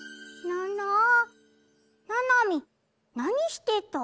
ななみなにしてた？